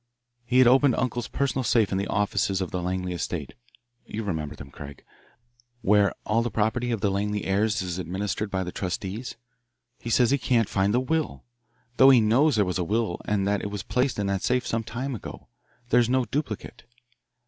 "He has opened uncle's personal safe in the offices of the Langley estate you remember them, Craig where all the property of the Langley heirs is administered by the trustees. He says he can't find the will, though he knows there was a will and that it was placed in that safe some time ago. There is no duplicate."